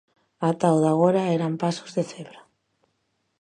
Ata o de agora eran pasos de cebra.